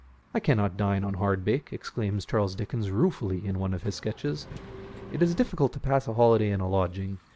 '' I cannot dine on hardbake," exclaims Charles Dickens ruefully in one of his sketches. It is difficult to pass a holiday in a lodging.